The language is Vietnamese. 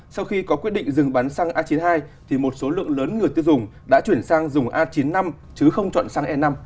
sau khi có quyết định dừng bán xăng a chín mươi hai thì một số lượng lớn người tiêu dùng đã chuyển sang dùng a chín mươi năm chứ không chọn xăng e năm